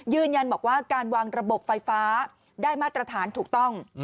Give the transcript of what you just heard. ยืนยันบอกว่าการวางระบบไฟฟ้าได้มาตรฐานถูกต้อง